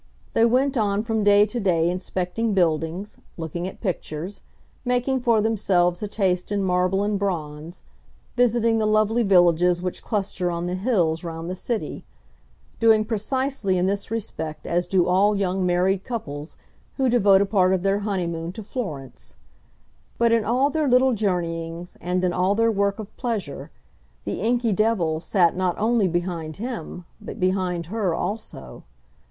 They went on from day to day inspecting buildings, looking at pictures, making for themselves a taste in marble and bronze, visiting the lovely villages which cluster on the hills round the city, doing precisely in this respect as do all young married couples who devote a part of their honeymoon to Florence; but in all their little journeyings and in all their work of pleasure the inky devil sat not only behind him but behind her also.